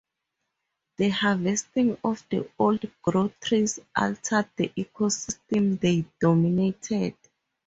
The harvesting of the old growth trees altered the ecosystems they dominated.